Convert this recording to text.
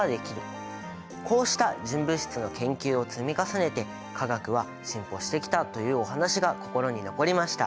こうした純物質の研究を積み重ねて化学は進歩してきたというお話が心に残りました。